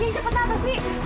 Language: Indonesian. cepet apa sih